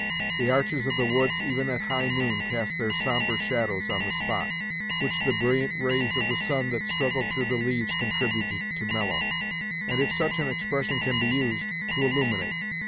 The arches of the woods, even at high noon, cast their sombre shadows on the spot, which the brilliant rays of the sun that struggled through the leaves contributed to mellow, and, if such an expression can be used, to illuminate.